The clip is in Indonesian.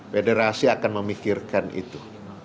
federasi akan memikirkan itu